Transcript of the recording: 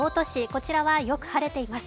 こちらはよく晴れています。